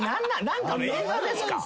何かの映画ですか？